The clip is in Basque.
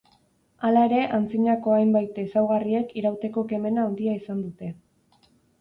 Hala ere antzinako hainbat ezaugarriek irauteko kemena handia izan dute.